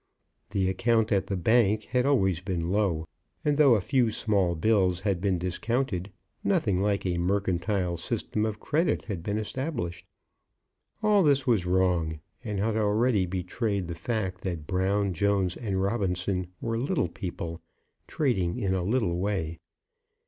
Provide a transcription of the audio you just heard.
The account at the bank had always been low; and, though a few small bills had been discounted, nothing like a mercantile system of credit had been established. All this was wrong, and had already betrayed the fact that Brown, Jones, and Robinson were little people, trading in a little way.